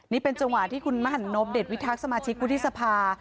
นี่เป็นจังหวะที่คุณมหันนพเดชวิทักษ์สมาชิกวุฒิสภา